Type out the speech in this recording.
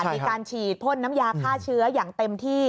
มีการฉีดพ่นน้ำยาฆ่าเชื้ออย่างเต็มที่